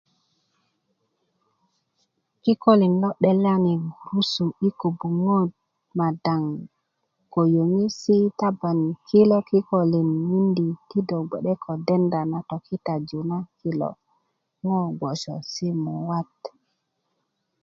kikölin lo 'delani gurusu i kobuŋwöt madaŋ ko yöŋesi taban kilo kikölin mindi ti do gbe'de ko denda na tokitaju na kilo ŋo gbooso simuat